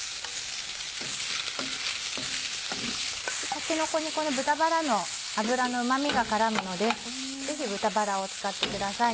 たけのこにこの豚バラの脂のうま味が絡むのでぜひ豚バラを使ってください。